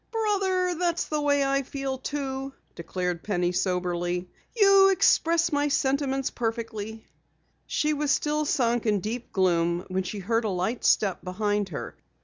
"Brother, that's the way I feel, too," declared Penny soberly. "You express my sentiments perfectly." She was still sunk in deep gloom when she heard a light step behind her.